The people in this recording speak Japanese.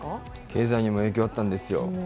経済にも影響あったんですよ。